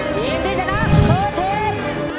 ทีมที่ชนะคือทีม